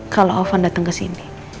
kalau alvan datang kesini